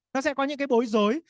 nó sẽ có những cái bối rối